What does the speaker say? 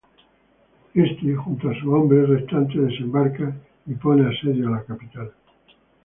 Éste, junto sus hombres restantes, desembarca y pone asedio a la capital.